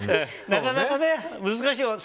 なかなか、難しいよね。